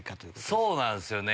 そうなんすよね。